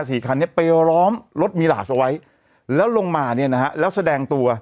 สี่คันเนี้ยไปล้อมรถมีหลาสเอาไว้แล้วลงมาเนี้ยนะฮะแล้วแสดงตัว